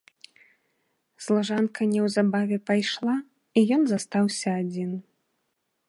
Служанка неўзабаве пайшла, і ён застаўся адзін.